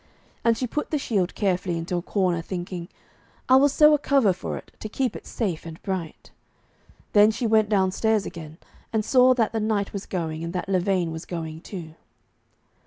And she put the shield carefully into a corner, thinking, 'I will sew a cover for it, to keep it safe and bright.' Then she went downstairs again, and saw that the knight was going, and that Lavaine was going too.